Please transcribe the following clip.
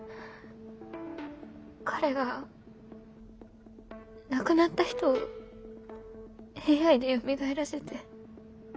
彼が亡くなった人をＡＩでよみがえらせて。